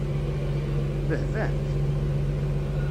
Tebbehbamt?